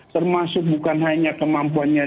termasuk bukan hanya kemampuannya